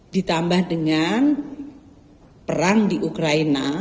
ditambah dengan perang di ukraina